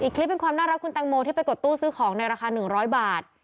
อีกคลิปเป็นความน่ารักคุณตังโมที่ไปกดตู้ซื้อของในราคาหนึ่งร้อยบาท